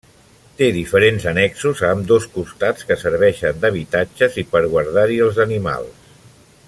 Té diferents annexos a ambdós costats que serveixen d'habitatges i per guardar-hi els animals.